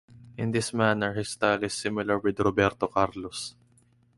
In this manner his style is similar with Roberto Carlos.